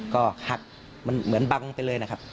ก็หักมันเหมือนบังไปเลยนะครับ